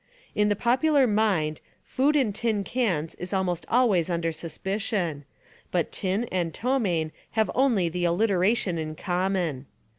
In the popular mind, Poisoning food in tin cans is almost always under suspicion; but tin and ptomain have only the alliteration in common.